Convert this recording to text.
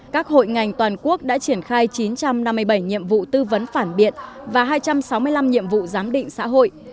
các hội ngành toàn quốc đã triển khai chín trăm năm mươi bảy nhiệm vụ tư vấn phản biện và hai trăm sáu mươi năm nhiệm vụ giám định xã hội